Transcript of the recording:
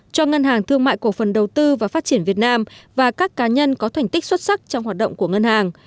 cho ngân hàng thương mại cổ phần đầu tư và phát triển việt nam và các cá nhân có thành tích xuất sắc trong hoạt động của ngân hàng